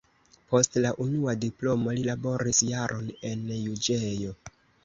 Post la unua diplomo li laboris jaron en juĝejo.